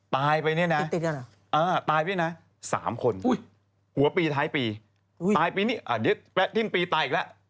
ตายไปเนี่ยนะตายไปเนี่ยนะ๓คนหัวปีท้ายปีตายปีนี้ที่ปีตายอีกแล้ว